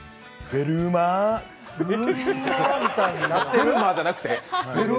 フェルマーじゃなくて？